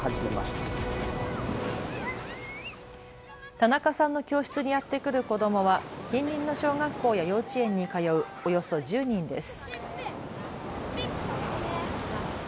田中さんの教室にやって来る子どもは近隣の小学校や幼稚園に通うおよそ１０人です。